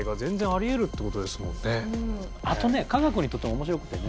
あとねカガクにとっても面白くてね